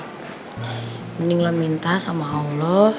mending lo minta sama allah